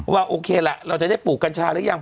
ว่าโอเคล่ะเราจะได้ปลูกกัญชาหรือยัง